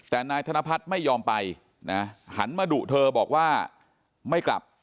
แต่นายธนพัฒน์ไม่ยอมไปนะหันมาดุเธอบอกว่าไม่กลับ